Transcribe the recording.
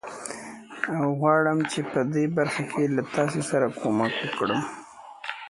John Stansfield was a barrister and came from a very wealthy family.